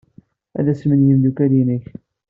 Ad asmen yimeddukal-nnek.